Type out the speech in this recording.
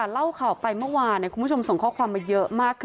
เล่าข่าวไปเมื่อวานคุณผู้ชมส่งข้อความมาเยอะมาก